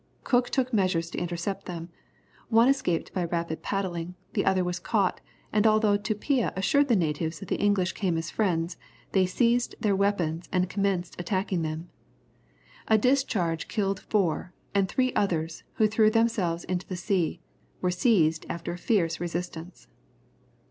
Cook took measures to intercept them; one escaped by rapid paddling, the other was caught, and although Tupia assured the natives that the English came as friends, they seized their weapons, and commenced attacking them. A discharge killed four, and three others, who threw themselves into the sea, were seized after a fierce resistance.